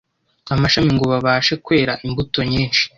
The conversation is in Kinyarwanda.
amashami ngo babashe kwera imbuto nyinshi